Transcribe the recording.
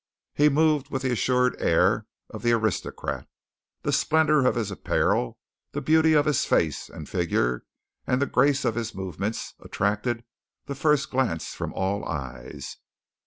He moved with the assured air of the aristocrat. The splendour of his apparel, the beauty of his face and figure, and the grace of his movements attracted the first glance from all eyes.